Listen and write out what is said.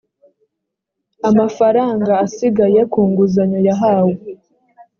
amafaranga asigaye ku nguzanyo yahawe